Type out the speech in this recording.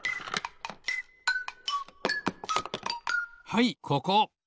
はいここ。